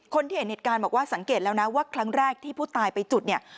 คนที่เห็นเหตุการณ์บอกว่าสังเกตแล้วนะว่าครั้งแรกที่ผู้ตายไปจุดเนี่ย